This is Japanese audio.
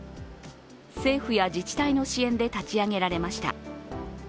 政府や自治体の支援で立ち上げられました。